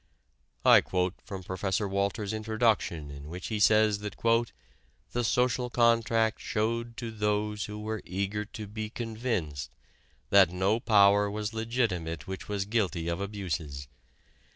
I quote from Prof. Walter's introduction in which he says that "The Social Contract showed to those who were eager to be convinced that no power was legitimate which was guilty of abuses.